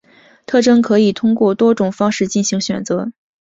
特征可以通过多种方法进行选择。